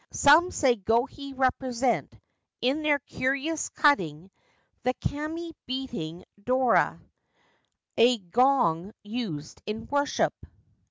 Some say Gohei represent, in their curious cutting, the Kami beating dora, a gong used in worship.